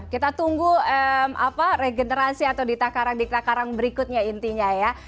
kita tunggu regenerasi atau ditakarang ditakarang berikutnya intinya ya